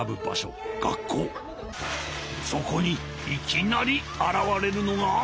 そこにいきなりあらわれるのが。